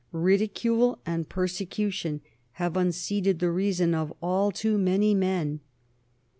Ridicule and persecution have unseated the reason of all too many men.